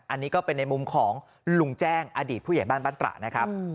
อันนี้ก็เป็นในมุมของลุงแจ้งอดีตผู้ใหญ่บ้านบ้านตระนะครับ